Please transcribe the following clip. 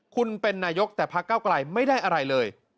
คุณเป็นนายกแต่พระเก้าไกลไม่ได้อะไรเลย